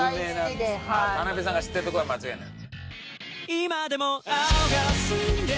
田辺さんが知っているところは間違いない。